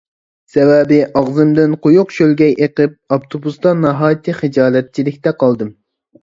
سەۋەبى ئاغزىمدىن قويۇق شۆلگەي ئېقىپ، ئاپتوبۇستا ناھايىتى خىجالەتچىلىكتە قالدىم.